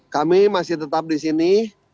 kami masih tetap di sini